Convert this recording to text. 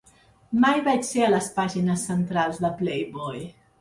Mai vaig ser a les pàgines centrals de "Playboy".